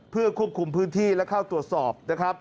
เพื่อควบคุมพื้นที่และเข้าตรวจสอบนะครับ